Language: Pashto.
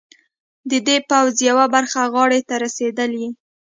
د دې پوځ یوه برخه غاړې ته رسېدلي.